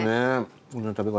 こんな食べ方。